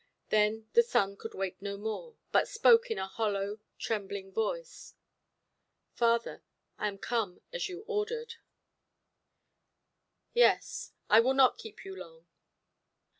Then the son could wait no more, but spoke in a hollow, trembling voice: "Father, I am come, as you ordered". "Yes. I will not keep you long.